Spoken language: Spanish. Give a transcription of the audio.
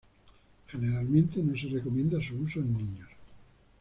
Generalmente no se recomienda su uso en niños.